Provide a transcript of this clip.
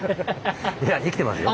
いや生きてますよ。